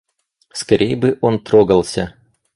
Скорей бы он трогался!